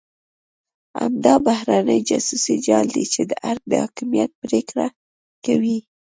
همدا بهرنی جاسوسي جال دی چې د ارګ د حاکمیت پرېکړه کوي.